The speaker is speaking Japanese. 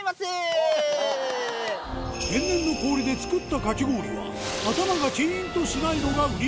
天然の氷で作ったかき氷は頭がキーンとしないのが売り